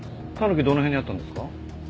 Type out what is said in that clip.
たぬきどの辺にあったんですか？